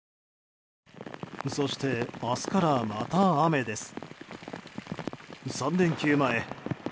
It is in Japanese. そして、明日からまた雨です。